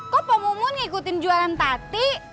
kok pemumun ngikutin jualan tadi